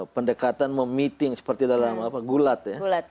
pendekatan memiting seperti dalam gulat ya